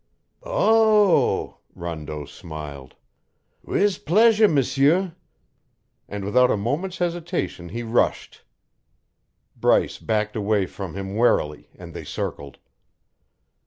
"Oh!" Rondeau smiled. "Wiz pleasure, M'sieur." And without a moment's hesitation he rushed. Bryce backed away from him warily, and they circled.